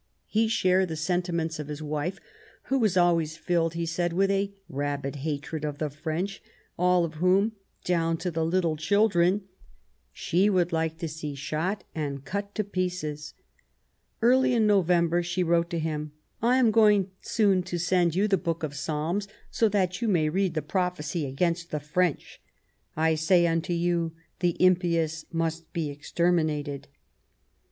He shared the sentiments of his wife, who was "always filled," he said, " with a rabid hatred of the French, all of whom, down to the little children, she would like to see shot and cut to pieces." Early in November she wrote to him :" 1 am going soon to send you the Book of Psalms, so that you may read the prophecy against the French, ' I say unto you the impious must be exter minated.'